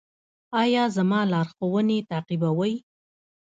ایا زما لارښوونې تعقیبوئ؟